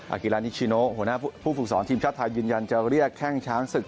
กิลานิชิโนหัวหน้าผู้ฝึกสอนทีมชาติไทยยืนยันจะเรียกแข้งช้างศึก